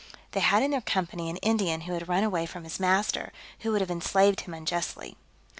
They had in their company an Indian who had run away from his master, who would have enslaved him unjustly.